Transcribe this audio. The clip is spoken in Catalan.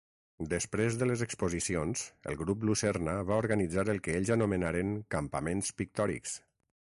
Després de les exposicions el Grup Lucerna va organitzar el que ells anomenaren Campaments Pictòrics.